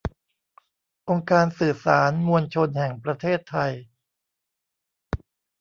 องค์การสื่อสารมวลชนแห่งประเทศไทย